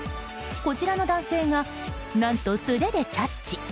こちらの男性が何と素手でキャッチ。